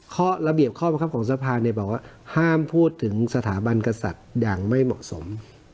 ข้อระเบียบข้อมันครับของทรัพย์เนี้ยบอกว่าห้ามพูดถึงสถาบันกษัตริย์อย่างไม่เหมาะสม